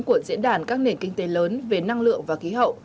của diễn đàn các nền kinh tế lớn về năng lượng và khí hậu